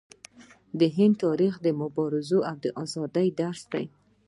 د هند تاریخ د مبارزې او ازادۍ درس دی.